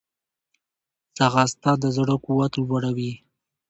ځغاسته د زړه قوت لوړوي